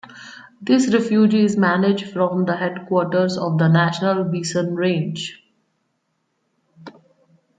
This refuge is managed from the headquarters of the National Bison Range.